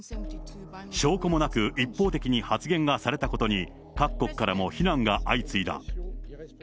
証拠もなく一方的に発言がされたことに、各国からも非難が相次いだ。